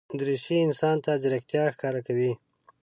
دریشي انسان ته ځیرکتیا ښکاره کوي.